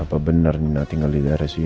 apa benar nina tinggal di daerah sini